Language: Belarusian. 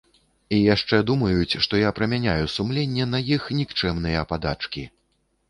І яшчэ думаюць, што я прамяняю сумленне на іх нікчэмныя падачкі.